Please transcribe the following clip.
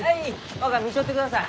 若見ちょってください！